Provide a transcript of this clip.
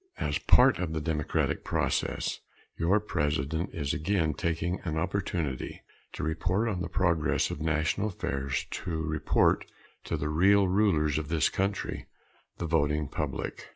As part of the democratic process, your President is again taking an opportunity to report on the progress of national affairs, to report to the real rulers of this country the voting public.